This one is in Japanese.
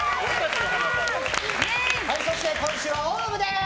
そして今週はＯＷＶです！